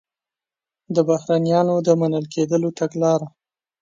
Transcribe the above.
د بهرنیانو د منل کېدلو تګلاره